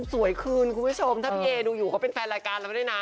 ถ้าพี่เอดูอยู่เพิ่งเป็นแฟนรายการเราได้นะ